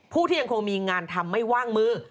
ที่ยังคงมีงานทำไม่ว่างมือ